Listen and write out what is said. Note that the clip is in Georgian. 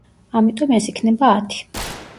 ამიტომ ეს იქნება ათი.